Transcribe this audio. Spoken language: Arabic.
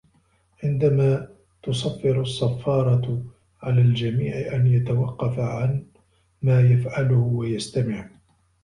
عندما تصفّر الصّفّارة، على الجميع أن يتوقّف عن ما يفعله و يستمع.